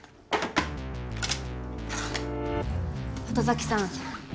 鳩崎さん